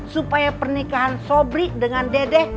supaya pernikahan sobri dengan dedek